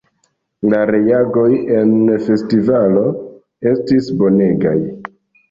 La reagoj en festivalo estis bonegaj!